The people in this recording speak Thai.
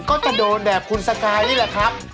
ก็จะโดนแบบคุณสกายนี่แหละครับ